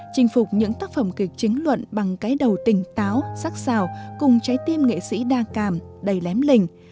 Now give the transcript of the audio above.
chinh phục những tác phẩm kịch chính luận bằng cái đầu tỉnh táo sắc xào cùng trái tim nghệ sĩ đa cảm đầy lém lình